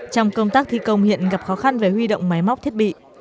trong công tác thi công hiện gặp khó khăn về huy động máy móc thiết bị